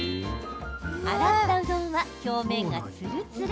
洗ったうどんは、表面がツルツル。